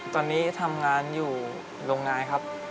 ตอนนี้ทำงานอยู่โรงงานครับ